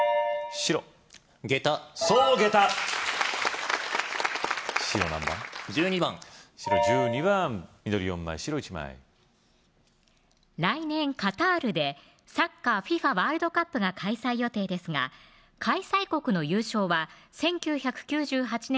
白１枚来年カタールでサッカーＦＩＦＡワールドカップが開催予定ですが開催国の優勝は１９９８年の大会以降ありません